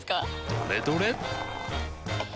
どれどれっ！